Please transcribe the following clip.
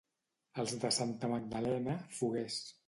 Els de Santa Magdalena, foguers.